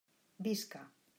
Visca!